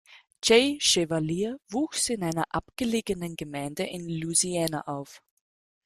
Jay Chevalier wuchs in einer abgelegenen Gemeinde in Louisiana auf.